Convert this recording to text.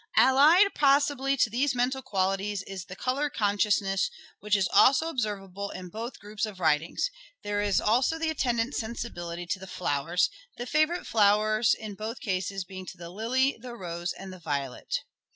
Allied possibly to these mental qualities is the colour consciousness which is observable in both groups of writings. There is also the attendant sensibility to flowers, the favourite flowers in both cases being the lily, the rose, and the violet.